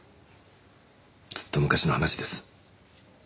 ずっと昔の話です。